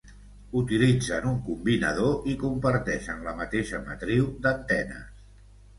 Utilitzen un combinador i comparteixen la mateixa matriu d'antenes.